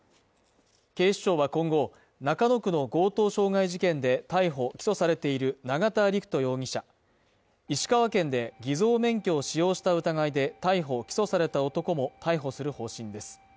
警視庁は今後、中野区の強盗傷害事件で逮捕・起訴されている永田陸人容疑者石川県で偽造免許を使用した疑いで逮捕・起訴された男も逮捕する方針です。